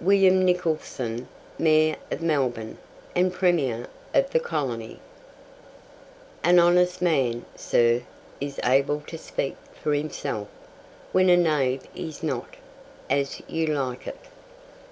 WILLIAM NICHOLSON, MAYOR OF MELBOURNE, AND PREMIER OF THE COLONY. "An honest man, sir, is able to speak for himself, when a knave is not." As You Like It.